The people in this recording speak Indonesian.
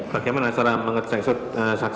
bagaimana cara saksi mengecek nadi dan nafas